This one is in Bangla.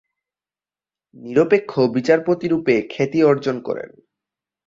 নিরপেক্ষ বিচারপতি রূপে খ্যাতি অর্জন করেন।